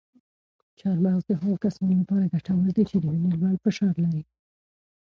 چهارمغز د هغو کسانو لپاره ګټور دي چې د وینې لوړ فشار لري.